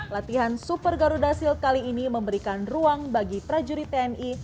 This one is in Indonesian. latihan super garuda shield kali ini memberikan ruang bagi prajurit tni